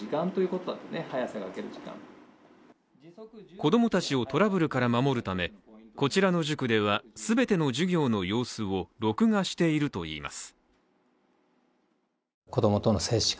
子供たちをトラブルから守るためこちらの塾では全ての授業の様子を録画しているといいます。